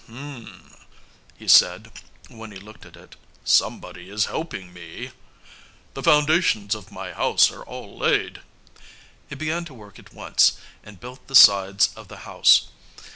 "H'm," he said when he looked at it. "Somebody is helping me. The foundations of my house are all laid." He began to work at once and built the sides of the house.